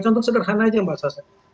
contoh sederhana aja mbak sasa